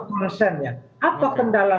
persennya apa kendala